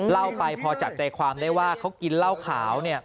เล่าไปพอจับใจความได้ว่าเขากินเหล้าขาวเนี่ย